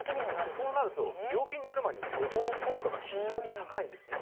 そうなると病気になる前の予防効果が非常に高いんですね。